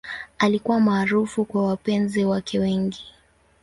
Alikuwa maarufu kwa wapenzi wake wengi.